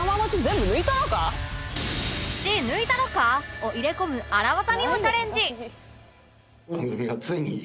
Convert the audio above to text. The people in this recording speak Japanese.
「血抜いたろか」を入れ込む荒技にもチャレンジ